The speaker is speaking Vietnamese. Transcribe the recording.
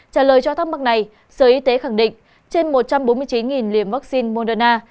trả lời cho thắc mắc này sở y tế khẳng định trên một trăm bốn mươi chín liều vaccine moderna